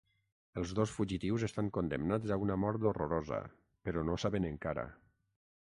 Els dos fugitius estan condemnats a una mort horrorosa però no ho saben encara.